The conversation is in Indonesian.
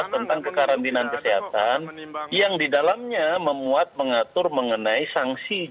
tentang kekarantinaan kesehatan yang didalamnya memuat mengatur mengenai sanksi